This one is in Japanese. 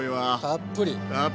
たっぷり！